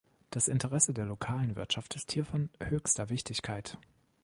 Das Interesse der lokalen Wirtschaft ist hier von höchster Wichtigkeit.